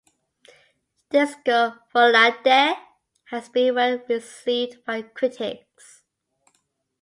"Disco Volante" has been well received by critics.